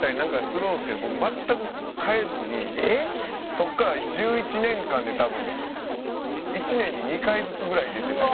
そこから１１年間で多分１年に２回ずつぐらい出て。